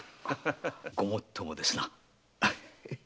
ごもっともですな。